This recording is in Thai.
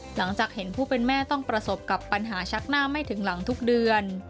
หลังจากเห็นผู้เป็นแม่ต้องประสบกับปัญหาชักหน้าไม่ถึงหลังทุกเดือน